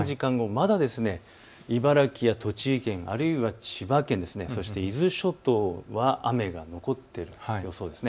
まだ茨城や栃木県、あるいは千葉県、そして伊豆諸島は雨が残っている予想です。